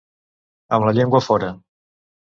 Amb la llengua fora.